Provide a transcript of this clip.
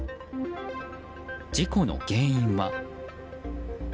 事故の原因は。